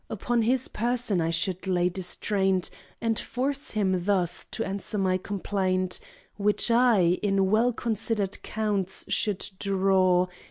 Upon his person I should lay distraint And force him thus to answer my complaint, Which I, in well considered counts, should draw.